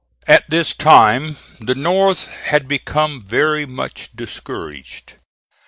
At this time the North had become very much discouraged.